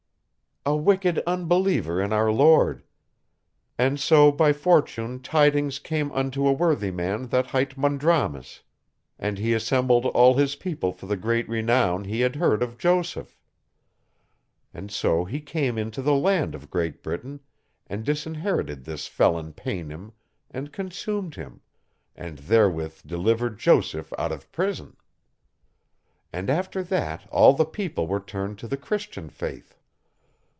"A wicked unbeliever in our Lord. And so by fortune tidings came unto a worthy man that hight Mondrames, and he assembled all his people for the great renown he had heard of Joseph; and so he came into the land of Great Britain and disinherited this felon paynim and consumed him; and therewith delivered Joseph out of prison. And after that all the people were turned to the Christian faith.